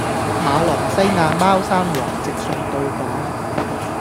馬來西亞貓山王直送到港